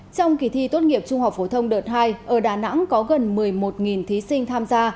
trong kỳ thi tốt nghiệp trung học phổ thông đợt hai ở đà nẵng có gần một mươi một thí sinh tham gia